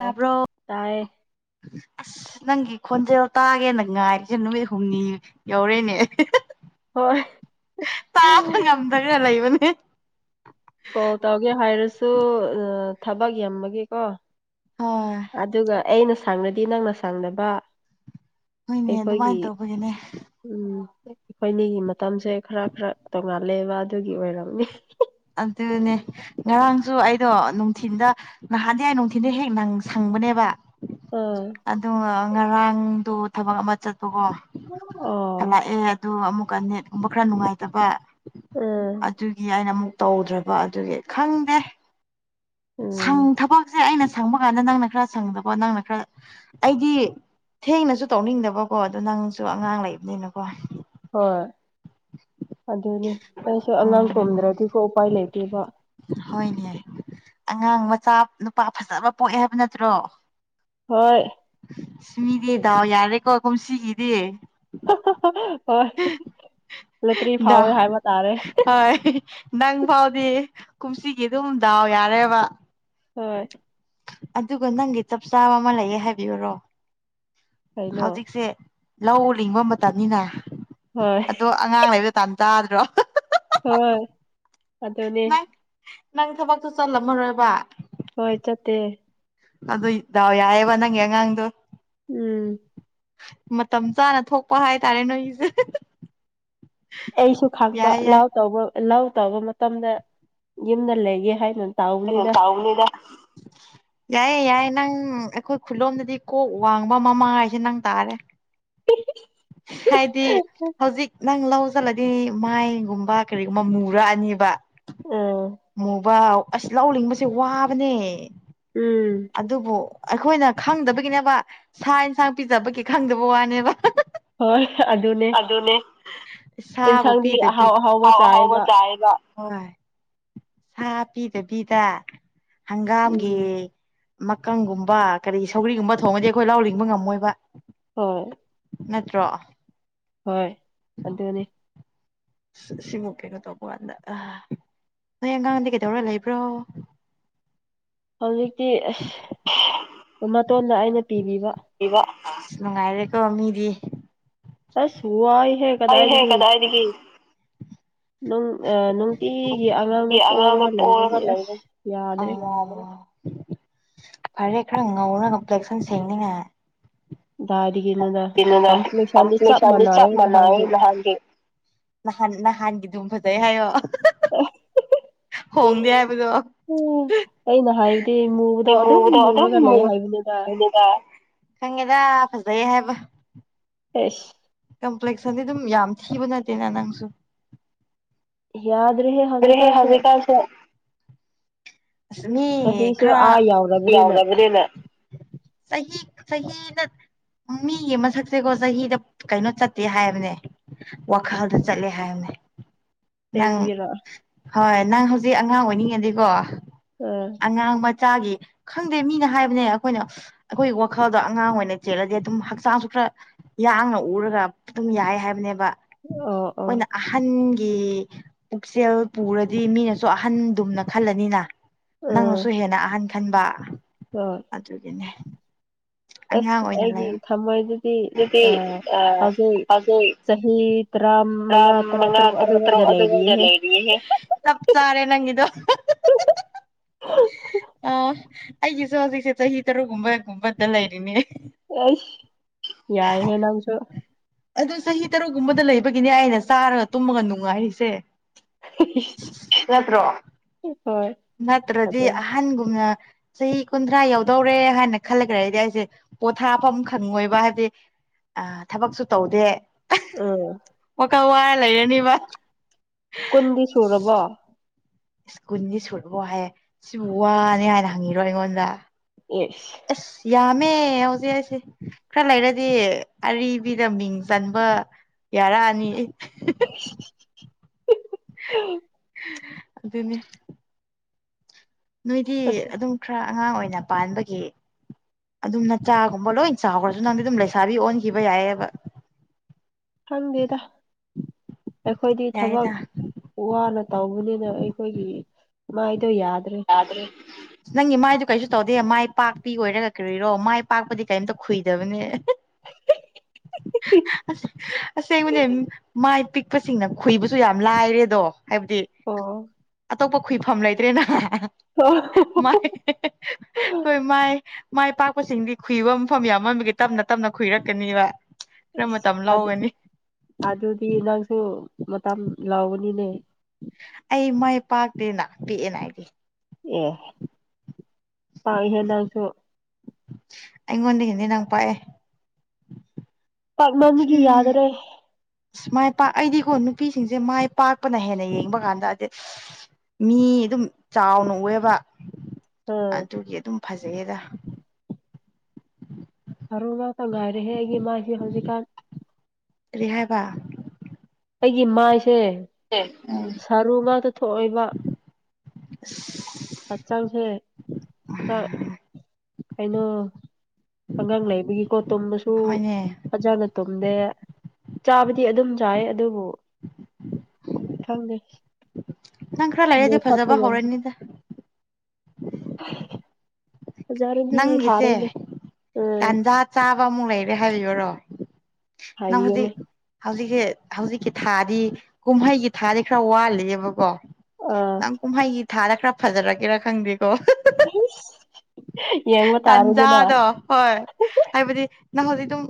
ꯑꯣ ꯇꯥꯏꯌꯦ ꯑꯁ ꯅꯪꯒꯤ ꯈꯣꯟꯖꯦꯜ ꯇꯥꯒꯦꯅ ꯉꯥꯏꯔꯤꯖꯦ ꯅꯨꯃꯤꯠ ꯍꯨꯝꯅꯤ ꯌꯧꯔꯦꯅꯦ ꯍꯣꯏ ꯇꯥꯕ ꯉꯝꯗꯔꯦ ꯂꯩꯕꯅꯦ ꯀꯣꯜ ꯇꯧꯒꯦ ꯍꯥꯏꯔꯁꯨ ꯊꯕꯛ ꯌꯥꯝꯕꯒꯤ ꯀꯣ ꯍꯣꯏ ꯑꯗꯨꯒ ꯑꯩꯅ ꯁꯪꯉꯗꯤ ꯅꯪꯅ ꯁꯪꯗꯕ ꯍꯣꯏꯅꯦ ꯑꯩꯈꯣꯏꯒꯤ ꯑꯗꯨꯃꯥꯏꯅ ꯇꯧꯕꯒꯤꯅꯦ ꯎꯝ ꯑꯩꯈꯣꯏꯅꯤꯒꯤ ꯃꯇꯝꯁꯦ ꯈꯔ ꯈꯔ ꯇꯣꯡꯉꯥꯜꯂꯦꯕ ꯑꯗꯨꯒꯤ ꯑꯣꯏꯔꯝꯅꯤ ꯑꯗꯨꯅꯦ ꯉꯔꯥꯡꯁꯨ ꯑꯩꯗꯣ ꯅꯨꯡꯊꯤꯟꯗ ꯅꯍꯥꯟꯗꯤ ꯑꯩ ꯅꯨꯡꯊꯤꯟꯗ ꯍꯦꯛ ꯅꯪ ꯁꯪꯕꯅꯦꯕ ꯑꯥ ꯑꯗꯨ ꯉꯔꯥꯡꯗꯣ ꯊꯕꯛ ꯑꯃ ꯆꯠꯄꯀꯣ ꯑꯣ ꯍꯜꯂꯛꯑꯦ ꯑꯗꯨ ꯑꯃꯨꯛꯀ ꯅꯦꯠꯒꯨꯝꯕ ꯈꯔ ꯅꯨꯡꯉꯥꯏꯇꯕ ꯎꯝ ꯑꯗꯨꯒꯤ ꯑꯩꯅ ꯑꯃꯨꯛ ꯇꯧꯗ꯭ꯔꯕ ꯑꯗꯨꯒꯤ ꯈꯪꯗꯦ ꯁꯪ ꯎꯝ ꯊꯕꯛꯁꯦ ꯑꯩꯅ ꯁꯪꯕ ꯀꯥꯟꯗ ꯅꯪꯅ ꯈꯔ ꯁꯪꯗꯕ ꯅꯪꯅ ꯈꯔ ꯑꯩꯗꯤ ꯊꯦꯡꯅꯁꯨ ꯇꯧꯅꯤꯡꯗꯕꯀꯣ ꯑꯗꯨ ꯅꯪꯁꯨ ꯑꯉꯥꯡ ꯂꯩꯕꯅꯤꯅꯀꯣ ꯍꯣꯏ ꯑꯗꯨꯅꯤ ꯑꯩꯁꯨ ꯑꯉꯥꯡ ꯎꯝ ꯇꯨꯝꯗ꯭ꯔꯗꯤꯀꯣ ꯎꯄꯥꯏ ꯂꯩꯇꯦꯕ ꯍꯣꯏꯅꯦ ꯑꯉꯥꯡ ꯃꯆꯥ ꯅꯨꯄꯥ ꯐꯖꯕ ꯄꯣꯛꯑꯦ ꯍꯥꯏꯕ ꯅꯠꯇ꯭ꯔꯣ ꯍꯣꯏ ꯏꯁ ꯃꯤꯗꯤ ꯗꯥꯎ ꯌꯥꯔꯦꯀꯣ ꯀꯨꯝꯁꯤꯒꯤꯗꯤ ꯍꯣꯏ ꯂꯣꯇ꯭ꯔꯤ ꯗꯥꯎ ꯐꯥꯎꯋꯦ ꯍꯥꯏꯕ ꯇꯥꯔꯦ ꯍꯣꯏ ꯅꯪ ꯐꯥꯎꯗꯤ ꯀꯨꯝꯁꯤꯒꯤ ꯑꯗꯨꯝ ꯗꯥꯎ ꯌꯥꯔꯦꯕ ꯍꯣꯏ ꯑꯗꯨꯒ ꯅꯪꯒꯤ ꯆꯞ ꯆꯥꯕ ꯑꯃ ꯂꯩꯌꯦ ꯍꯥꯏꯕꯤꯌꯨꯔꯣ ꯀꯩꯅꯣ ꯍꯧꯖꯤꯛꯁꯦ ꯂꯧ ꯂꯤꯡꯕ ꯃꯇꯝꯅꯤꯅ ꯍꯣꯏ ꯑꯗꯣ ꯑꯉꯥꯡ ꯂꯩꯕ ꯇꯥꯟ ꯆꯥꯗ꯭ꯔꯣ ꯍꯣꯏ ꯑꯗꯨꯅꯦ ꯅꯪ ꯅꯪ ꯊꯕꯛꯇꯣ ꯆꯠꯂꯝꯃꯔꯣꯏꯕ ꯍꯣꯏ ꯆꯠꯇꯦ ꯑꯗꯨꯏ ꯗꯥꯎ ꯌꯥꯢꯕ ꯅꯪꯒꯤ ꯑꯉꯥꯡꯗꯣ ꯎꯝ ꯃꯇꯝ ꯆꯥꯅ ꯊꯣꯛꯄ ꯍꯥꯏꯇꯥꯔꯦ ꯅꯣꯏꯒꯤꯁꯦ ꯑꯩꯁꯨ ꯈꯪꯕ ꯌꯥꯏ ꯌꯥꯏ ꯂꯧ ꯇꯧꯕ ꯂꯧ ꯇꯧꯕ ꯃꯇꯝꯗ ꯌꯨꯝꯗ ꯂꯩꯒꯦ ꯍꯥꯏꯅ ꯍꯥꯏꯅ ꯇꯥꯎꯕꯅꯤꯗ ꯇꯥꯎꯕꯅꯤꯗ ꯌꯥꯏꯌꯦ ꯌꯥꯏꯌꯦ ꯅꯪ ꯑꯩꯈꯣꯏ ꯈꯨꯜꯂꯣꯝꯗꯗꯤ ꯀꯣꯛ ꯋꯥꯡꯕ ꯃꯃꯥ ꯍꯥꯏꯁꯦ ꯅꯪ ꯇꯥꯔꯦ ꯍꯥꯏꯗꯤ ꯍꯧꯖꯤꯛ ꯅꯪ ꯂꯧ ꯆꯠꯂꯗꯤ ꯃꯥꯏꯒꯨꯝꯕ ꯀꯔꯤꯒꯨꯝꯕ ꯃꯨꯔꯛ ꯑꯅꯤꯕ ꯎꯝ ꯃꯨꯕꯥ ꯑꯁ ꯂꯧ ꯂꯤꯡꯕꯁꯦ ꯋꯥꯕꯅꯦ ꯎꯝ ꯑꯗꯨꯕꯨ ꯑꯩꯈꯣꯏꯅ ꯈꯪꯗꯕꯒꯤꯅꯦꯕ ꯁꯥ ꯏꯟꯁꯥꯡ ꯄꯤꯖꯕꯒꯤ ꯈꯪꯗꯕ ꯋꯥꯅꯦꯕ ꯍꯣꯏ ꯑꯗꯨꯅꯦ ꯑꯗꯨꯅꯦ ꯁꯥꯕꯨ ꯌꯦꯟꯁꯥꯡꯗꯤ ꯄꯤꯗꯗꯤ ꯑꯍꯥꯎ ꯑꯍꯥꯎ ꯑꯍꯥꯎꯕ ꯆꯥꯏꯌꯦꯕ ꯆꯥꯏꯌꯦꯕ ꯍꯣꯏ ꯁꯥ ꯄꯤꯗꯕꯤꯗ ꯎꯝ ꯍꯪꯒꯥꯝꯒꯤ ꯃꯀꯪꯒꯨꯝꯕ ꯀꯔꯤ ꯁꯧꯒꯔꯤꯒꯨꯝꯕ ꯊꯣꯡꯉꯗꯤ ꯑꯩꯈꯣꯏ ꯂꯧ ꯂꯤꯡꯕ ꯉꯝꯃꯣꯏꯕ ꯍꯣꯏ ꯇ꯭ꯔꯣ ꯍꯣꯏ ꯑꯗꯨꯅꯤ ꯁꯤꯃꯨꯛ ꯀꯩꯅꯣ ꯇꯧꯕ ꯀꯥꯟꯗ ꯑ ꯅꯣꯏ ꯑꯉꯥꯡꯗꯤ ꯀꯩꯗꯧꯔ ꯂꯩꯕ꯭ꯔꯣ ꯍꯧꯖꯤꯛꯇꯤ ꯑꯁ ꯃꯇꯣꯟꯗ ꯑꯩꯅ ꯄꯤꯕꯤꯕ ꯏꯕ ꯑꯁ ꯅꯨꯡꯉꯥꯏꯔꯦꯀꯣ ꯃꯤꯗꯤ ꯑꯁ ꯋꯥꯏ ꯋꯥꯏꯍꯦ ꯀꯗꯥꯏꯗꯒꯤ ꯅꯨꯡ ꯑꯥ ꯅꯨꯡꯇꯤꯒꯤ ꯑꯉꯥꯡꯅ ꯒꯤ ꯑꯉꯥꯡꯗꯣ ꯄꯣꯔꯒ ꯂꯩꯕꯒꯤ ꯄꯣꯔꯒ ꯑꯁ ꯂꯩꯔꯦ ꯌꯥꯗ꯭ꯔꯦ ꯐꯔꯦ ꯈꯔ ꯉꯧꯔꯒꯥ ꯄ꯭ꯂꯦꯛꯁꯟ ꯁꯦꯡꯅꯤꯡꯉꯥꯏ ꯗꯥꯏꯗꯤꯒꯤꯅꯣꯗ ꯀꯩꯅꯣꯅꯦ ꯀꯝꯄ꯭ꯂꯦꯛꯁꯟꯗꯤ ꯆꯞ ꯃꯥꯟꯅꯌꯦ ꯃꯥꯟꯅꯩ ꯅꯍꯥꯟꯒꯤ ꯅꯍꯥꯟꯒꯤ ꯅꯍꯥꯟ ꯅꯍꯥꯟꯒꯤꯗꯨꯝ ꯐꯖꯩ ꯍꯥꯏꯌꯣ ꯑꯦ ꯍꯣꯡꯗꯦ ꯍꯥꯏꯕꯗꯣ ꯑꯣ ꯑꯩꯅ ꯍꯥꯏꯕꯗꯤ ꯃꯨꯕꯗꯣ ꯑꯗꯨꯝ ꯃꯨꯔꯒ ꯂꯩ ꯍꯥꯏꯕꯅꯤꯗ ꯅꯤꯗꯤꯗ ꯈꯪꯉꯦꯗ ꯐꯖꯩ ꯍꯥꯏꯕ ꯑꯦꯁ ꯀꯝꯄ꯭ꯂꯦꯛꯁꯟꯗꯤ ꯗꯨꯝ ꯌꯥꯝ ꯊꯤꯕ ꯅꯠꯇꯦꯅ ꯅꯪꯁꯨ ꯌꯥꯗ꯭ꯔꯦꯍꯦ ꯍꯧꯖꯤꯛꯀꯟꯁꯦ ꯐꯁꯦ ꯑꯁ ꯃꯤ ꯆꯍꯤꯁꯨ ꯈꯔ ꯑꯥ ꯌꯥꯎꯔꯕꯅꯤꯅ ꯌꯥꯎꯔꯕꯗꯤꯅ ꯆꯍꯤ ꯆꯍꯤꯅ ꯃꯤꯒꯤ ꯑꯃꯁꯛꯁꯦꯀꯣ ꯆꯍꯤꯗ ꯀꯩꯅꯣ ꯆꯠꯇꯦ ꯍꯥꯏꯕꯅꯦ ꯋꯥꯈꯜꯗ ꯆꯠꯂꯦ ꯍꯥꯏꯕꯅꯦ ꯅꯪ ꯁꯦꯝꯒꯤꯔ ꯍꯣꯏ ꯅꯪ ꯍꯧꯖꯤꯛ ꯑꯉꯥꯡ ꯑꯣꯏꯅꯤꯡꯉꯗꯤꯀꯣ ꯑꯥ ꯑꯉꯥꯡ ꯃꯆꯥꯒꯤ ꯈꯪꯗꯦ ꯃꯤꯅ ꯍꯥꯏꯕꯅꯦ ꯑꯈꯣꯏꯅ ꯑꯩꯈꯣꯏꯒꯤ ꯋꯥꯈꯜꯗ ꯑꯉꯥꯡ ꯑꯣꯏꯅ ꯆꯦꯜꯂꯗꯤ ꯑꯗꯨꯝ ꯍꯛꯆꯥꯡꯁꯨ ꯈꯔ ꯌꯥꯡꯅ ꯎꯔꯒ ꯑꯗꯨꯝ ꯌꯥꯏ ꯍꯥꯏꯕꯅꯦꯕ꯫ ꯑꯣ ꯑꯣ ꯑꯩꯈꯣꯏꯅ ꯑꯍꯟꯒꯤ ꯄꯨꯛꯆꯦꯜ ꯄꯨꯔꯗꯤ ꯃꯤꯅꯁꯨ ꯑꯍꯟꯗꯨꯝꯅ ꯈꯜꯂꯅꯤꯅ꯫ ꯑꯥ ꯅꯪꯅꯁꯨ ꯍꯦꯟꯅ ꯑꯍꯟ ꯈꯟꯕ ꯍꯣꯏ ꯑꯗꯨꯒꯤꯅꯦ ꯑꯉꯥꯡ ꯑꯁ ꯑꯣꯏꯅ ꯑꯩꯒꯤ ꯂꯩꯌꯣ ꯊꯃꯣꯏꯗꯗꯤ ꯑꯗꯨꯗꯤ ꯑ ꯑꯥ ꯍꯧꯖꯤꯛ ꯄꯥꯖꯩ ꯆꯍꯤ ꯇꯔꯥ ꯇꯥꯔ꯭ꯝ ꯇꯔꯥ ꯃꯉꯥ ꯇꯔꯨꯛ ꯇꯔꯥꯇ꯭ꯔꯨ ꯑꯗꯨꯋꯥꯏꯗ ꯂꯩꯔꯤꯌꯦꯍꯦ ꯂꯩꯔꯤꯌꯦꯍꯦ ꯆꯞ ꯆꯔꯦ ꯅꯪꯒꯤꯗꯣ ꯑ ꯑꯩꯒꯤꯁꯨ ꯍꯧꯖꯤꯛꯁꯦ ꯆꯍꯤ ꯇꯔꯨꯛꯒꯨꯝꯕꯒꯨꯝꯕꯗ ꯂꯩꯔꯤꯅꯦ ꯑꯁ ꯌꯥꯏ ꯍꯦ ꯅꯪꯁꯨ ꯑꯗꯨ ꯆꯍꯤ ꯇꯔꯨꯛꯒꯨꯝꯕꯗ ꯂꯩꯕꯒꯤꯅꯦ ꯑꯩꯅ ꯆꯥꯔꯒ ꯇꯨꯝꯃꯒ ꯅꯨꯡꯉꯥꯏꯔꯤꯁꯦ ꯅꯠꯇ꯭ꯔꯣ ꯍꯣꯏ ꯅꯠꯇ꯭ꯔꯗꯤ ꯑꯗꯨꯝ ꯑꯍꯟꯒꯨꯝꯅ ꯆꯍꯤ ꯀꯨꯟꯊ꯭ꯔꯥ ꯌꯧꯗꯧꯔꯦ ꯍꯥꯏꯅ ꯈꯜꯔꯒꯥ ꯂꯩꯔꯗꯤ ꯑꯩꯁꯦ ꯄꯣꯊꯥꯐꯝ ꯈꯪꯔꯣꯏꯕ ꯍꯥꯏꯕꯗꯤ ꯑ ꯊꯕꯛꯁꯨ ꯇꯧꯗꯦ ꯑ ꯋꯥꯀ ꯋꯥꯔ ꯂꯩꯔꯅꯤꯕ ꯀꯨꯟꯗꯤ ꯁꯨꯔꯕꯣ ꯏꯁ ꯀꯨꯟꯗꯤ ꯁꯨꯔꯕꯣ ꯍꯥꯌꯦ ꯁꯤꯕꯨ ꯋꯥꯅꯤ ꯍꯥꯏꯅ ꯍꯪꯉꯤꯔꯣ ꯑꯩꯉꯣꯟꯗ꯫ ꯌꯦꯁ ꯑꯁ ꯌꯥꯝꯃꯦ ꯍꯧꯖꯤꯛ ꯍꯥꯏꯁꯦ ꯈꯔ ꯂꯩꯔꯗꯤ ꯑꯔꯤꯕꯤꯗ ꯃꯤꯡ ꯆꯟꯕ ꯌꯥꯔꯛꯑꯅꯤ ꯑꯗꯨꯅꯤ ꯅꯣꯏꯗꯤ ꯑꯁ ꯑꯗꯨꯝ ꯈꯔ ꯑꯉꯥꯡ ꯑꯣꯏꯅ ꯄꯥꯟꯕꯒꯤ ꯑꯗꯨꯝ ꯅꯆꯥꯒꯨꯝꯕ ꯂꯣꯏ ꯆꯥꯎꯔꯗꯅ ꯅꯪꯗꯤ ꯑꯗꯨꯝ ꯂꯩꯁꯥꯕꯤ ꯑꯣꯟꯈꯤꯕ ꯌꯥꯏꯑꯦꯕ ꯈꯪꯗꯦꯗ ꯑꯈꯣꯏꯗꯤ ꯊꯕꯛ ꯌꯥꯏꯗ ꯋꯥꯅ ꯇꯧꯕꯅꯤꯅ ꯑꯩꯈꯣꯏꯒꯤ ꯃꯥꯏꯗꯣ ꯌꯥꯗ꯭ꯔꯦ꯫ ꯌꯥꯗ꯭ꯔꯦ ꯅꯪꯒꯤ ꯃꯥꯏꯗꯨ ꯀꯩꯁꯨ ꯇꯧꯗꯦ ꯃꯥꯏ ꯄꯥꯛꯄꯤ ꯑꯣꯏꯔꯒ ꯀꯔꯤꯔꯣ ꯃꯥꯏ ꯄꯥꯛꯄꯗꯤ ꯀꯝꯇ ꯈꯨꯨꯏꯗꯕꯅꯦ ꯑꯁ ꯑꯁꯦꯡꯕꯅꯦ ꯃꯥꯏ ꯄꯤꯛ ꯄꯁꯤꯡꯅ ꯈꯨꯏꯕꯁꯨ ꯌꯥꯝ ꯂꯥꯏꯔꯦ ꯑꯗꯣ ꯍꯥꯏꯕꯗꯤ ꯑꯣ ꯑꯇꯣꯞꯄ ꯈꯨꯏꯐꯝ ꯂꯩꯇ꯭ꯔꯦꯅꯥꯏ ꯑꯣ ꯃꯥꯏ ꯈꯣꯏ ꯃꯥꯏ ꯃꯥꯏ ꯄꯥꯛꯄꯁꯤꯡꯗꯤ ꯈꯨꯨꯏꯕ ꯃꯐꯝ ꯌꯥꯝꯃꯕꯒꯤ ꯇꯞꯅ ꯇꯞꯅ ꯈꯨꯏꯔꯛꯀꯅꯤꯕ ꯈꯔ ꯃꯇꯝ ꯂꯧꯒꯅꯤ ꯑꯗꯨꯗꯤ ꯅꯪꯁꯨ ꯃꯇꯝ ꯂꯧꯕꯅꯤꯅꯦ ꯑꯩ ꯃꯥꯏ ꯄꯥꯛꯇꯦꯅ ꯄꯤꯛꯑꯦꯅ ꯑꯩꯗꯤ꯫ ꯑꯦ ꯄꯥꯛꯑꯦ ꯍꯦ ꯅꯪꯁꯨ ꯑꯩꯉꯣꯟꯗꯒꯤꯗꯤ ꯅꯪ ꯄꯥꯛꯑꯦ ꯄꯥꯛꯃꯟꯕꯒꯤ ꯌꯥꯗꯔꯦ ꯑ ꯃꯥꯏ ꯄꯥꯛ ꯑꯩꯗꯤꯀꯣ ꯅꯨꯄꯤꯁꯤꯡꯁꯦ ꯃꯥꯏ ꯄꯥꯛꯄꯅ ꯍꯦꯟꯅ ꯌꯦꯡꯕ ꯀꯥꯟꯗ ꯑꯗꯤ ꯃꯤ ꯑꯗꯨꯝ ꯆꯥꯎꯅ ꯎꯑꯦꯕ ꯑꯥ ꯑꯗꯨꯒꯤ ꯑꯗꯨꯝ ꯐꯖꯩꯌꯦꯗ꯫ ꯐꯔꯨꯡꯉꯥꯛꯇ ꯉꯥꯏꯔꯦꯍꯦ ꯑꯩꯒꯤ ꯃꯥꯏꯁꯦ ꯍꯧꯖꯤꯛꯀꯥꯟ꯫ ꯀꯔꯤ ꯍꯥꯏꯕ ꯑꯩꯒꯤ ꯃꯥꯏꯁꯦ ꯎꯝ ꯁꯥꯔꯨ ꯉꯥꯛꯇ ꯊꯣꯛꯑꯦꯕ ꯑꯁ ꯍꯛꯆꯥꯡꯁꯦ ꯈꯔ ꯀꯩꯅꯣ ꯑꯉꯥꯡ ꯂꯩꯕꯒꯤ ꯀꯣ ꯇꯨꯝꯕꯁꯨ ꯍꯣꯏꯅꯦ ꯐꯖꯅ ꯇꯨꯝꯗꯦ ꯆꯥꯕꯗꯤ ꯑꯗꯨꯝ ꯆꯥꯏ ꯑꯗꯨꯕꯨ ꯈꯪꯗꯦ ꯅꯪ ꯈꯔ ꯂꯩꯔꯗꯤ ꯅꯣꯏꯈꯠꯄ ꯐꯖꯕ ꯉꯝꯗꯦ ꯍꯧꯔꯅꯤꯗ ꯐꯖꯔꯗꯤ ꯅꯪꯒꯤꯁꯦ ꯐꯥꯔꯦꯅꯦ ꯎꯝ ꯇꯟꯖꯥ ꯆꯥꯕ ꯑꯃꯨꯛ ꯂꯩꯔꯦ ꯍꯥꯏꯔꯤꯔꯣ ꯅꯪ ꯍꯧꯖꯤꯛ ꯍꯥꯏꯕꯤꯌꯨꯅꯦ ꯍꯧꯖꯤꯛꯁꯦ ꯍꯧꯖꯤꯛꯀꯤ ꯊꯥꯗꯤ ꯀꯨꯝꯍꯩꯒꯤ ꯊꯥꯗꯤ ꯈꯔ ꯋꯥꯠꯂꯤꯌ‌ꯦꯕꯀꯣ ꯑꯥ ꯀꯨꯝꯍꯩꯒꯤ ꯊꯥꯗ ꯈꯔ ꯐꯖꯔꯛꯒꯦꯔꯥ ꯈꯪꯗꯦꯀꯣ ꯏꯁ ꯌꯦꯡꯕ ꯇꯥꯔꯦꯗꯅ ꯇꯥꯟꯖꯥꯗꯣ ꯍꯣꯏ ꯍꯥꯏꯕꯗꯤ ꯅꯪ ꯍꯧꯖꯤꯛ ꯑꯗꯨꯝ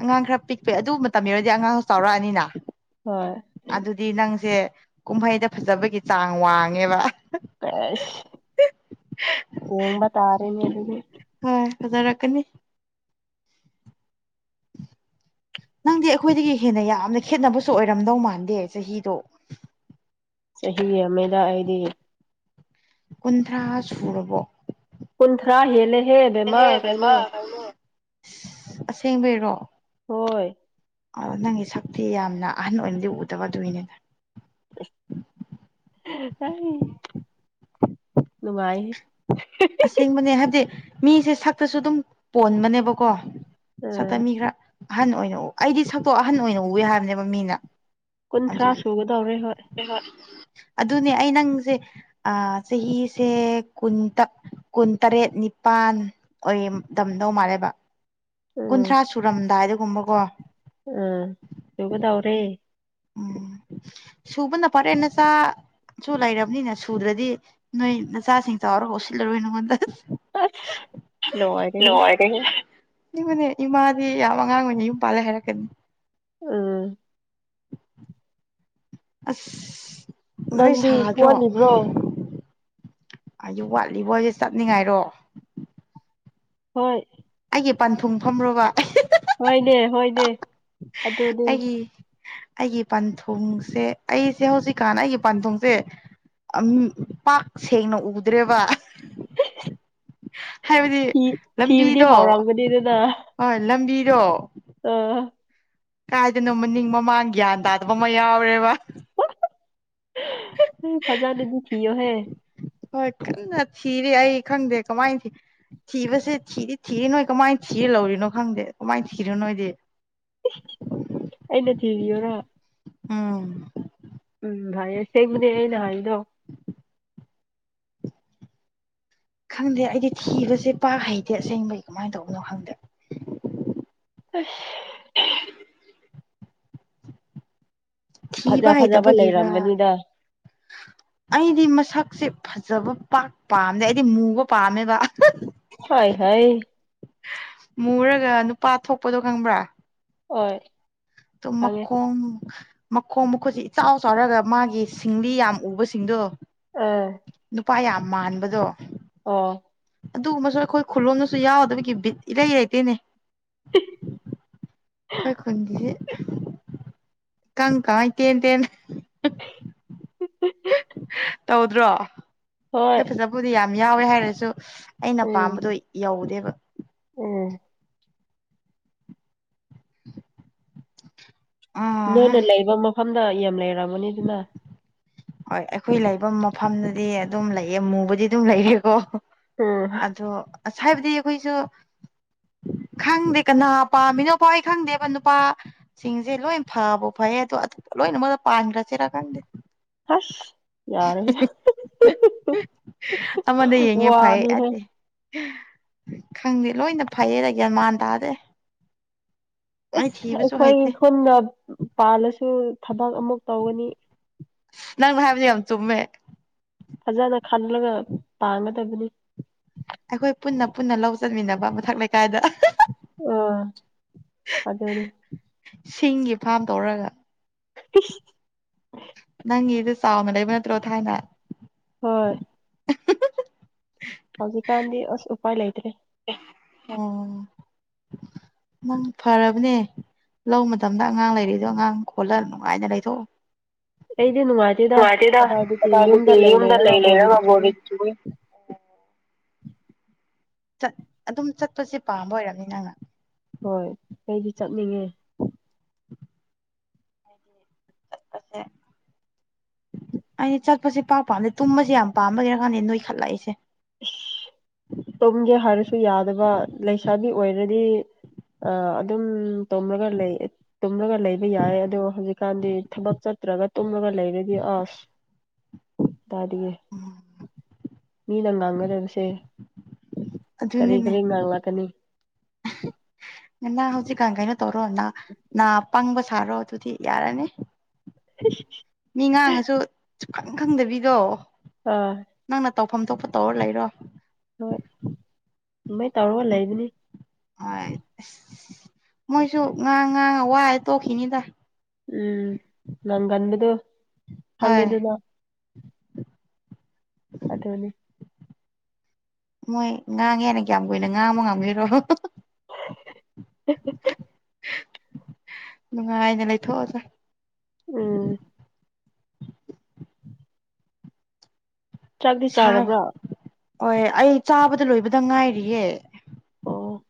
ꯑꯉꯥꯡ ꯈꯔ ꯄꯤꯛꯄꯩ ꯑꯗꯨ ꯃꯇꯝ ꯌꯧꯔꯗꯤ ꯑꯉꯥꯡꯁꯨ ꯆꯥꯎꯔꯛꯑꯅꯤꯅ ꯍꯣꯏ ꯑꯗꯨꯗꯤ ꯅꯪꯁꯦ ꯀꯨꯝꯍꯩꯗ ꯐꯖꯕꯒꯤ ꯆꯥꯡ ꯋꯥꯡꯉꯦꯕ ꯄ‌ꯦꯁ ꯑꯣꯡꯕ ꯇꯥꯔꯦꯅꯦ ꯑꯗꯨꯗꯤ ꯍꯣꯏ ꯐꯖꯔꯛꯀꯅꯤ ꯅꯪꯗꯤ ꯑꯩꯈꯣꯏꯗꯒꯤ ꯍꯦꯟꯅ ꯌꯥꯝꯅ ꯈꯦꯠꯅꯕꯁꯨ ꯑꯣꯏꯔꯝꯗꯧ ꯃꯥꯟꯗꯦ ꯆꯍꯤꯗꯣ ꯆꯍꯤ ꯌꯥꯝꯃꯦꯗꯥ ꯑꯩꯗꯤ ꯀꯨꯟꯊ꯭ꯔꯥ ꯁꯨꯔꯕꯣ ꯀꯨꯟꯊ꯭ꯔꯥ ꯍꯦꯜꯂꯦ ꯍꯦ ꯍ‌ꯦꯜꯂ‌ꯦꯍ‌ꯦ ꯕ‌ꯦꯝꯃꯥ ꯀꯔꯤꯅ‌ꯣ ꯑꯁꯦꯡꯕꯩꯔꯣ ꯍꯣꯏ ꯑ ꯅꯪꯒꯤ ꯁꯛꯇꯤ ꯌꯥꯝꯅ ꯑꯍꯟ ꯑꯣꯏꯅꯗꯤ ꯎꯗꯕ ꯑꯗꯨꯒꯤꯅꯤꯗ ꯑꯩ ꯅꯨꯡꯉꯥꯏꯍ‌ꯦ ꯑꯁꯦꯡꯕꯅꯦ ꯍꯥꯏꯕꯗꯤ ꯃꯤꯁꯦ ꯁꯛꯇꯁꯨ ꯑꯗꯨꯝ ꯄꯣꯟꯕꯅꯦꯕꯀꯣ ꯁꯛꯇ ꯎꯝ ꯃꯤ ꯈꯔ ꯑꯍꯟ ꯑꯣꯏꯅ ꯑꯩꯗꯤ ꯁꯛꯇꯣ ꯑꯍꯟ ꯑꯣꯏꯅ ꯎꯋꯦ ꯍꯥꯏꯕꯅꯦꯕ ꯃꯤꯅ ꯀꯨꯟꯊ꯭ꯔꯥ ꯁꯨꯒꯗꯧꯔꯦ ꯍꯣꯏ ꯍ‌ꯣꯏ ꯑꯗꯨꯅꯦ ꯑꯩ ꯅꯪꯁꯦ ꯑ ꯆꯍꯤꯁꯦ ꯀꯨꯟ ꯇꯛ ꯀꯨꯟ ꯇꯔꯦꯠ ꯅꯤꯄꯥꯟ ꯑꯣꯏ ꯗꯝꯗꯧ ꯃꯥꯜꯂꯦꯕ ꯎꯝ ꯀꯨꯟꯊ꯭ꯔꯥ ꯁꯨꯔꯝꯗꯥꯏꯗꯒꯨꯝꯕ ꯀꯣ ꯑ ꯁꯨꯒꯗꯧꯔꯦ ꯎꯝ ꯁꯨꯕꯅ ꯐꯔ‌ꯦ ꯅꯆꯥ ꯁꯨ ꯂꯩꯔꯕꯅꯤꯅ ꯁꯨꯗ꯭ꯔꯥꯗꯤ ꯅꯣꯏ ꯅꯆꯥꯁꯤꯡ ꯆꯥꯎꯔꯒ ꯎꯁꯤꯠꯂꯔꯣꯏ ꯅꯪꯉꯣꯟꯗ ꯂ‌ꯣꯏꯔ‌ꯦꯍ‌ꯦ ꯑꯁ‌ꯦꯡꯕꯅ‌ꯦ ꯏꯃꯥꯗꯤ ꯌꯥꯝ ꯑꯉꯥꯡ ꯑꯣꯏꯅ ꯌꯨꯝ ꯄꯥꯜꯂꯦ ꯍꯥꯏꯔꯛꯀꯅꯤ ꯎꯝ ꯑꯁ ꯅꯣꯏ ꯅꯪꯗꯤ ꯁꯥꯗ꯭ꯔꯣ ꯋꯥꯠꯂꯤꯕ꯭ꯔꯣ ꯑꯩꯁꯨ ꯋꯥꯠꯂꯤꯕꯣ ꯑꯩꯁꯦ ꯆꯠꯅꯤꯡꯉꯥꯏꯔꯣ ꯍꯣꯏ ꯑꯩꯒꯤ ꯄꯟꯊꯨꯡꯐꯝꯔ‌ꯣꯕ ꯍꯣꯏꯅꯦ ꯍꯣꯏꯅꯦ ꯑꯗꯨꯗꯤ ꯑꯩꯒꯤ ꯑꯩꯒꯤ ꯄꯟꯊꯨꯡꯁꯦ ꯑꯩꯁꯦ ꯍꯧꯖꯤꯛꯀꯥꯟꯅ ꯑꯩꯒꯤ ꯄꯥꯟꯊꯨꯡꯁꯦ ꯑꯥꯝ ꯄꯥꯛ ꯁꯦꯡꯅ ꯎꯗ꯭ꯔꯦꯕ ꯍꯥꯏꯕꯗꯤ ꯊꯤ ꯊꯤꯕꯗꯤ ꯂꯝꯕꯤꯗꯣ ꯍꯥꯎꯔꯝꯒꯅꯤꯗꯅ ꯍꯣꯢ ꯂꯝꯕꯤꯗꯣ ꯑ ꯀꯥꯏꯗꯅꯣ ꯃꯅꯤꯡ ꯃꯃꯥꯡ ꯒ꯭ꯌꯥꯟ ꯇꯥꯗꯕ ꯑꯃ ꯌꯥꯎꯔꯦꯕ ꯐꯖꯥꯅꯗꯤ ꯊꯤꯌꯣꯍꯦ ꯍꯣꯏ ꯀꯟꯅ ꯊꯤꯔꯤ ꯑꯩ ꯈꯪꯗꯦ ꯀꯃꯥꯏ ꯊꯤ ꯊꯤꯕꯁꯦ ꯊꯤꯗꯤ ꯊꯤꯔꯤ ꯅꯣꯏ ꯀꯃꯥꯏꯅ ꯊꯤꯔ ꯂꯧꯔꯤꯅꯣ ꯈꯪꯗꯦ ꯀꯃꯥꯏꯅ ꯊꯤꯔꯣ ꯅꯣꯏꯗꯤ ꯑꯩꯅ ꯊꯤꯕꯤꯌꯣꯔ ꯎꯝ ꯎꯝ ꯐꯥꯔꯦ ꯁꯦꯡꯕꯅꯦ ꯑꯩꯅ ꯍꯥꯏꯗꯣ ꯈꯪꯗꯦ ꯑꯩꯗꯤ ꯊꯤꯕꯁꯦ ꯄꯥꯛ ꯍꯩꯇꯦ ꯑꯁꯦꯡꯕꯩ ꯀꯃꯥꯏꯅ ꯇꯧꯕꯅꯣ ꯈꯪꯗꯦ ꯑꯁ ꯐꯖ ꯊꯤꯕ ꯐꯖꯕ ꯍꯩꯇꯕꯒꯤꯔ ꯂꯩꯔꯝꯒꯅꯤꯗ ꯑꯩꯗꯤ ꯃꯁꯛꯁꯦ ꯐꯖꯕ ꯄꯥꯛ ꯄꯥꯝꯗꯦ ꯑꯩꯗꯤ ꯃꯨꯕ ꯄꯥꯝꯃꯦꯕ ꯍꯥꯢ ꯍꯩ ꯃꯨꯔꯒ ꯅꯨꯄꯥ ꯊꯣꯛꯄꯗꯣ ꯈꯪꯕ꯭ꯔꯥ ꯍꯣꯏ ꯇꯨ ꯈꯪꯉꯦ ꯃꯈꯣꯝ ꯃꯈꯣꯡ ꯃꯈꯨꯠꯁꯤ ꯏꯆꯥꯎ ꯆꯥꯎꯔꯒ ꯃꯥꯒꯤ ꯁꯤꯡꯂꯤ ꯌꯥꯝ ꯎꯕꯁꯤꯡꯗꯣ ꯑꯥ ꯅꯨꯄꯥ ꯌꯥꯝ ꯃꯥꯟꯕꯗꯣ ꯑꯣ ꯑꯗꯨꯒꯨꯝꯕꯁꯨ ꯑꯩꯈꯣꯏ ꯈꯨꯜꯂꯣꯝꯅꯁꯨ ꯌꯥꯎꯗꯕꯒꯤ ꯕꯤꯠ ꯏꯔꯩ ꯔꯩꯇꯩꯅꯦ [unintelligible] ꯑꯩꯈꯣꯏ ꯈꯨꯟꯒꯤꯁꯤ ꯏꯀꯪ ꯀꯥꯏ ꯇꯦꯟ ꯇꯦꯟ ꯇꯧꯗ꯭ꯔꯣ ꯍꯣꯏ ꯑꯩ ꯐꯖꯕꯨꯗꯤ ꯌꯥꯝ ꯌꯥꯎꯋꯦ ꯍꯥꯏꯔꯁꯨ ꯑꯩꯅ ꯎꯝ ꯄꯥꯝꯕꯗꯣ ꯌꯧꯗꯦꯕ ꯎꯝ ꯑꯥ ꯍꯥ ꯅꯣꯏꯅ ꯂꯩꯕ ꯃꯐꯝꯗ ꯌꯥꯝ ꯂꯩꯔꯝꯃꯅꯤ ꯑꯗꯨꯅ ꯍꯣꯏ ꯑꯩꯈꯣꯏ ꯂꯩꯕ ꯃꯐꯝꯗꯨꯗꯤ ꯑꯗꯨꯝ ꯂꯩꯌꯦ ꯃꯨꯕꯗꯤ ꯑꯗꯨꯝ ꯂꯩꯔꯦꯀꯣ ꯎꯝ ꯑꯗꯣ ꯑꯁ ꯍꯥꯏꯕꯗꯤ ꯑꯩꯈꯣꯏꯁꯨ ꯈꯪꯗꯦ ꯀꯅꯥ ꯄꯥꯃꯤꯅꯣ ꯈꯣꯏ ꯈꯪꯗꯦꯕ ꯅꯨꯄꯥ ꯁꯤꯡꯁꯦ ꯂꯣꯏ ꯐꯥꯕ ꯐꯩꯌꯦ ꯑꯗꯣ ꯂꯣꯏꯅ ꯃꯣꯏꯗ ꯄꯥꯟꯈ꯭ꯔꯁꯤꯔꯥ ꯈꯪꯗꯦ ꯍꯁ ꯌꯥꯔꯦ ꯑꯃꯗ ꯌꯦꯡꯉꯦ ꯐꯩ ꯋꯥꯅꯤ ꯍꯦ ꯑꯗꯦ ꯈꯪꯗꯦ ꯂꯣꯏꯅ ꯐꯩꯌꯦꯗ ꯒꯌ꯭ꯥꯟ ꯃꯥꯟ ꯇꯥꯗꯦ ꯑꯩ ꯑꯁ ꯊꯤꯕꯁꯨ ꯑꯩꯈꯣꯏ ꯍꯩꯇꯦ ꯈꯨꯟꯅ ꯄꯥꯜꯂꯁꯨ ꯊꯕꯛ ꯑꯃꯨꯛ ꯇꯧꯒꯅꯤ ꯅꯪꯅ ꯍꯥꯏꯕꯗꯨ ꯌꯥꯝ ꯆꯨꯝꯃꯦ ꯐꯖꯅ ꯈꯜꯂꯒ ꯄꯥꯟꯒꯗꯕꯅꯤ ꯑꯩꯈꯣꯏ ꯄꯨꯟꯅ ꯄꯨꯟꯅ ꯂꯧ ꯆꯟꯃꯤꯟꯅꯕ ꯃꯊꯛ ꯂꯩꯀꯥꯏꯗ ꯑꯣ ꯑꯗꯨꯅꯤ ꯁꯤꯡꯒꯤ ꯐꯥꯝ ꯇꯧꯔꯒ ꯏꯁ ꯅꯪꯒꯤꯗꯨ ꯆꯥꯎꯅ ꯂꯩꯕ ꯅꯠꯇ꯭ꯔꯣ ꯊꯥꯏꯅ ꯍꯣꯏ ꯍꯧꯖꯤꯛꯀꯥꯟꯗꯤ ꯑꯁ ꯎꯄꯥꯏ ꯂꯩꯇ꯭ꯔꯦ ꯎꯪ ꯅꯪ ꯐꯔꯕꯅꯦ ꯂꯧ ꯃꯇꯝꯗ ꯑꯉꯥꯡ ꯂꯩꯔꯤꯗꯣ ꯑꯉꯥꯡ ꯀꯣꯜꯂ ꯅꯨꯡꯉꯥꯏꯅ ꯂꯩꯊꯣꯛꯎ ꯅꯨꯡꯉꯥꯏꯇꯦꯗꯥ ꯀꯗꯥꯏꯗꯒꯤ ꯌꯨꯝꯗ ꯂꯩ ꯂꯩꯔꯒ ꯕꯣꯔꯤꯡ ꯆꯨꯏ ꯆꯠ ꯑꯗꯨꯝ ꯆꯠꯄꯁꯦ ꯄꯥꯝꯕ ꯑꯣꯏꯔꯝꯅꯤ ꯅꯪꯅ ꯍꯣꯏ ꯑꯩꯗꯤ ꯆꯠꯅꯤꯡꯉꯦ [inaudible] [inaudible] [unintelligible] ꯑꯩ ꯆꯠꯄꯁꯦ ꯏꯄꯥꯝ ꯄꯥꯝꯗꯦ ꯇꯨꯝꯕꯁꯦ ꯌꯥꯝ ꯄꯥꯝꯕꯒꯤꯔ ꯈꯡꯗꯦ ꯅꯣꯏꯈꯠꯂꯛꯏꯁꯦ ꯑꯁ ꯇꯨꯝꯒꯦ ꯍꯥꯏꯔꯁꯨ ꯌꯥꯗꯕ ꯂꯩꯁꯥꯕꯤ ꯑꯣꯏꯔꯗꯤ ꯑ ꯑꯗꯨꯝ ꯇꯨꯝꯔꯒ ꯂꯩ ꯇꯨꯝꯂꯒ ꯂꯩꯕ ꯌꯥꯏ ꯑꯗꯣ ꯍꯧꯖꯤꯛꯀꯥꯟꯗꯤ ꯊꯕꯛ ꯆꯠꯇ꯭ꯔꯒ ꯇꯨꯝꯂꯒ ꯂꯩꯔꯗꯤ ꯑꯁ ꯇꯥꯗꯤꯌꯦ ꯎꯝ ꯃꯤꯅꯥ ꯉꯥꯡꯅꯒꯗꯕꯁꯦ ꯑꯗꯨꯅꯤꯅꯦ ꯉꯥꯡꯂꯛꯀꯅꯤ ꯉꯟꯅꯥ ꯍꯧꯖꯤꯛꯀꯥꯟ ꯀꯩꯅꯣ ꯇꯧꯔꯣ ꯅꯥ ꯅꯥꯄꯪꯕ ꯁꯥꯔꯣ ꯑꯗꯨꯗꯤ ꯌꯥꯔꯅꯤ ꯃꯤ ꯉꯥꯡꯉꯁꯨ ꯁꯨꯈꯪ ꯈꯪꯗꯕꯤꯗꯣ ꯑꯥ ꯅꯪꯅ ꯇꯧꯐꯝ ꯊꯣꯛꯄ ꯇꯧꯔ ꯂꯩꯔꯣ ꯍꯣꯏ ꯑꯗꯨꯃꯥꯏ ꯇꯧꯔꯒ ꯂꯩꯕꯅꯤ ꯍꯣꯏ ꯑꯁ ꯃꯣꯏꯁꯨ ꯉꯥꯡ ꯉꯥꯡ ꯋꯥ ꯇꯣꯛꯈꯤꯅꯤꯗ ꯎꯝ ꯅꯪꯒꯟꯕꯗꯨ ꯍꯣꯏ ꯈꯡꯉꯤꯗꯅ ꯑꯗꯨꯅꯤ ꯃꯣꯏ ꯉꯥꯡꯉꯦꯅ ꯀ꯭ꯌꯥꯝ ꯀꯨꯏꯅ ꯉꯥꯡꯕ ꯉꯝꯒꯦꯔꯣ ꯅꯨꯡꯉꯥꯏꯅ ꯂꯩꯊꯣꯛꯑꯣꯁꯦ ꯎꯝ [inaudible] ꯆꯥꯛꯇꯤ ꯁꯥꯔ ꯆꯥꯔꯕ꯭ꯔꯣ ꯍꯣꯏ ꯑꯩ ꯆꯥꯕꯗ ꯂꯣꯏꯕꯗ ꯉꯥꯏꯔꯤꯌꯦ ꯑꯣ